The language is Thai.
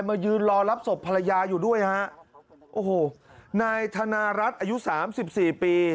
มายืนรอรับศพภรรยาอยู่ด้วยฮะโอ้โหนายธนารัฐอายุสามสิบสี่ปี